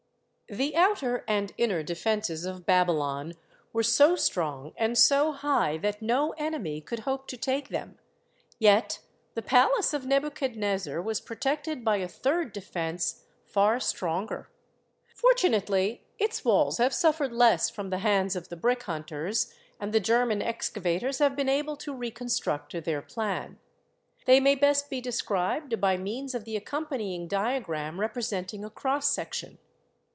The outer and inner defences of Babylon were so strong and so high that no enemy could hope to take them, yet the palace of Nebuchadnezzar was protected by a third defence far stronger. Fortunately its walls have suffered less from the ^ x w r s d ^o "S u 1 o 0> d o o 2 o \ THE WALLS OF BABYLON 75 hands of the brick hunters, and the German ex cavators have been able to reconstruct their plan. They may best be described by means of the ac companying diagram representing a cross section.